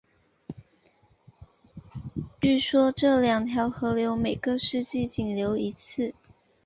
据说这两条河流每个世纪仅流一次。